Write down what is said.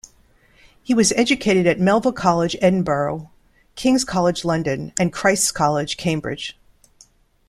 He was educated at Melville College, Edinburgh; King's College London and Christ's College, Cambridge.